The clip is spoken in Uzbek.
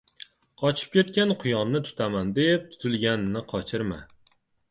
• Qochib ketgan quyonni tutaman deb, tutilganini qochirma.